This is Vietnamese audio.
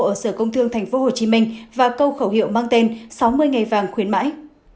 ở sở công thương tp hcm và câu khẩu hiệu mang tên sáu mươi ngày vàng khuyến mãi